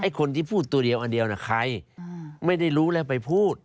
เป็นคนที่พูดตัวเดียวอันเดียวนะใครไม่ได้รู้ถึงอะไรไปพูด